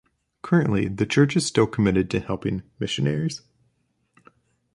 Currently, the church is still committed to helping missionaries.